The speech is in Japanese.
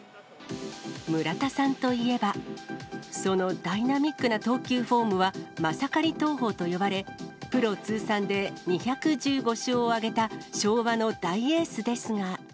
村田さんといえば、そのダイナミックな投球フォームはマサカリ投法と呼ばれ、プロ通算で２１５勝を挙げた昭和の大エースですが。